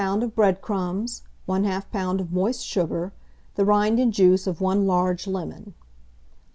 of bread crumbs, 1/2 lb. of moist sugar, the rind and juice of 1 large lemon.